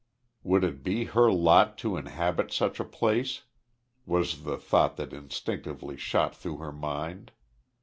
Would it be her lot to inhabit such a place, was the thought that instinctively shot through her mind?